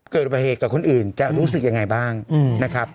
เกิดประเหตุกับคนอื่นจะรู้สึกอย่างไรบ้างนะครับ